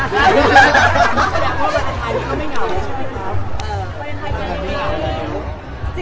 สุขอะไร